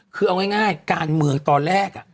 คือเอาง่ายการเมืองตอนแรก